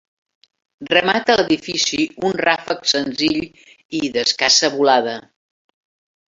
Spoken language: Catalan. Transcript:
Remata l'edifici un ràfec senzill i d'escassa volada.